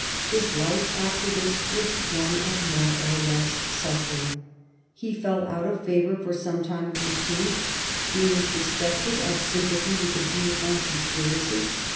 His life, after this, was one of more or less suffering. He fell out of favour for some time with the King, being suspected of sym pathy with the Biron conspiracy.